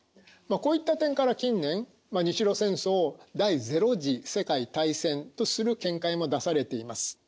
こういった点から近年日露戦争を第０次世界大戦とする見解も出されています。